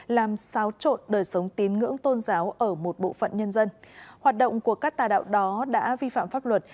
làm xáo trộn đời sống tín ngưỡng tôn giáo ở một bộ phận nhân dân hoạt động của các tà đạo đó đã vi phạm pháp luật